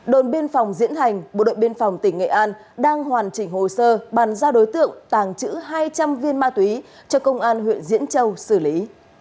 đồn biên phòng diễn hành bộ đội biên phòng tỉnh nghệ an đang hoàn chỉnh hồ sơ bàn giao đối tượng tàng trữ hai trăm linh viên ma túy cho công an huyện diễn châu xử lý